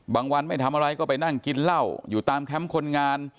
วันไม่ทำอะไรก็ไปนั่งกินเหล้าอยู่ตามแคมป์คนงาน